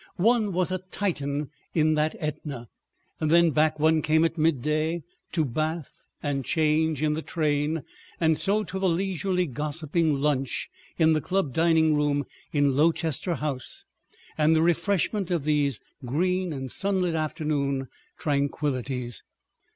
One was a Titan in that Etna. Then back one came at midday to bathe and change in the train, and so to the leisurely gossiping lunch in the club dining room in Lowchester House, and the refreshment of these green and sunlit afternoon tranquillities.